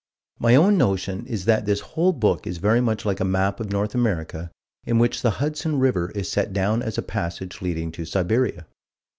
My own notion is that this whole book is very much like a map of North America in which the Hudson River is set down as a passage leading to Siberia.